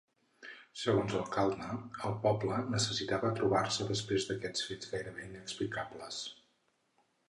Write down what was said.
Segons l’alcalde, el poble necessitava trobar-se després d’aquests fets gairebé inexplicables.